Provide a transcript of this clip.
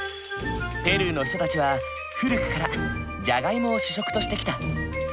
ペルーの人たちは古くからじゃがいもを主食としてきた。